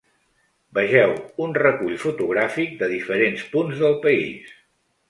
Vegeu un recull fotogràfic de diferents punts del país.